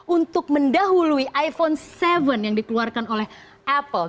untuk mendahului iphone tujuh yang dikeluarkan oleh apple